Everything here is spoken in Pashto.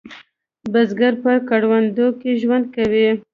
بزګر په کروندو کې ژوند کوي